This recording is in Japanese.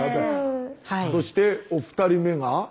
そしてお二人目が？